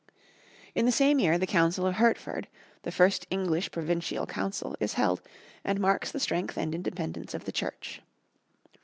In the same year the Council of Hertford, the first English provincial council, is held, and marks the strength and independence of the Church.